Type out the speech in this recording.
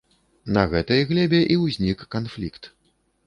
На гэтай глебе і ўзнік канфлікт.